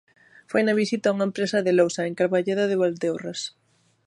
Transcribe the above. Foi na visita a unha empresa de lousa en Carballeda de Valdeorras.